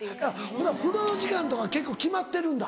ほんなら風呂の時間とか結構決まってるんだ。